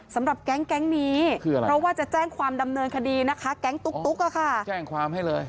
สำหรับแก๊งนี้คืออะไรเพราะว่าจะแจ้งความดำเนินคดีนะคะแก๊งตุ๊กอะค่ะแจ้งความให้เลย